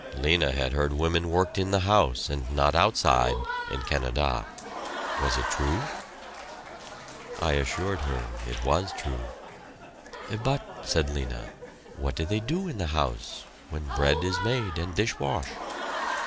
Lena had heard women worked in the house, and not outside, in Canada was it true? I assured her it was true. "But," said Lena, "what do they do in house when bread is made and dish wash?"